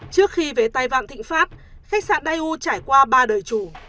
trước khi về tài vạn thịnh pháp khách sạn đài u trải qua ba đời chủ